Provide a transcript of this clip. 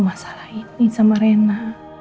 masalah ini sama rena